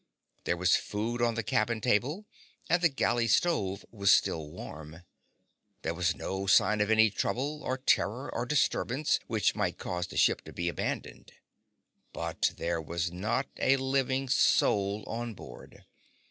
There was food on the cabin table, and the galley stove was still warm. There was no sign of any trouble, or terror, or disturbance which might cause the ship to be abandoned. But there was not a living soul on board.